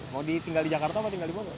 mau tinggal di jakarta apa tinggal di bogor